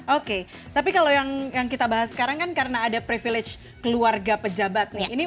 oke tapi kalau yang kita bahas sekarang kan karena ada privilege keluarga pejabat nih